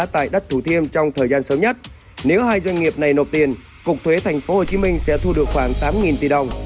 tại đất thủ thiêm trong thời gian sớm nhất nếu hai doanh nghiệp này nộp tiền cục thuế tp hcm sẽ thu được khoảng tám tỷ đồng